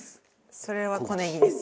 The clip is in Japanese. それは小ネギです。